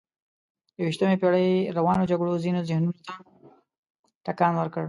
د یویشتمې پېړۍ روانو جګړو ځینو ذهنونو ته ټکان ورکړ.